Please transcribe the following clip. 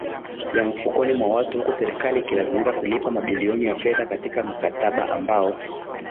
ya mfukoni mwa watu huku Serikali ikilazimika kulipa mabilioni ya fedha katika mkataba ambao